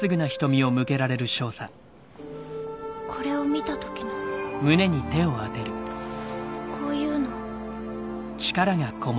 これを見た時のこういうのを。